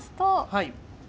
はい。